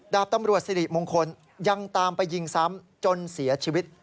ดาบตำรวจสิริมงคลยังตามไปยิงซ้ำจนเสียชีวิต